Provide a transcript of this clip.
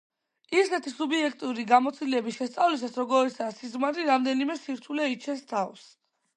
ისეთი სუბიექტური გამოცდილებების შესწავლისას, როგორიცაა სიზმარი, რამდენიმე სირთულე იჩენს თავს.